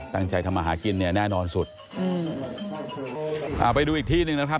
ตั้งใจทำมาหากินเนี่ยแน่นอนสุดอืมอ่าไปดูอีกที่หนึ่งนะครับ